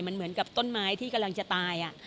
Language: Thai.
มันเหมือนกับต้นไม้ที่กำลังจะตาย